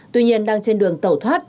tuy nhiên đang trên đường tẩu thoát